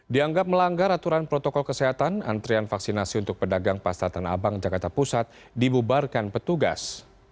dianggap melanggar aturan protokol kesehatan antrian vaksinasi untuk pedagang pasar tanah abang jakarta pusat dibubarkan petugas